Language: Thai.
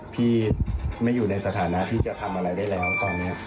พี่ไม่อยู่ในสถานะที่จะทำอะไรได้แล้วตอนนี้